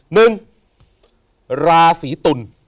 หนึ่งราศีตุล